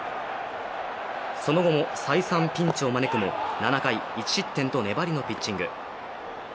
その後も再三ピンチを招くも７回１失点と粘りのピッチング。